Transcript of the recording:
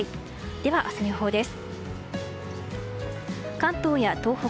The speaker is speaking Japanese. では、明日の予報です。